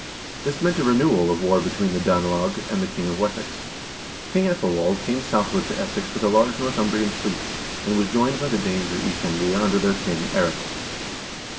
This meant a renewal of war between the Danelag and the king of Wessex. King ^Ethelwald came southward to Essex with a large Northumbrian fleet, and was joined by the Danes of East Anglia under their king, Eirik.